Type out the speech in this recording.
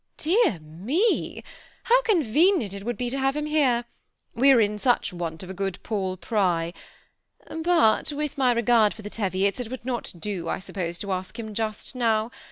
*' Dear me ! how convenient it would be to have him here ! we are in such want of a good Paul Pry ; but, with my regard for the Tcviots, it would not do, I suppose, to ask him just now.